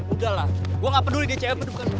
udah lah gue gak peduli dcm bukan lu